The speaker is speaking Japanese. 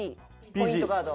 ポイントガード。